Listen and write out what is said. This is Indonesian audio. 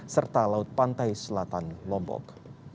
serta laut pantai selatan lombok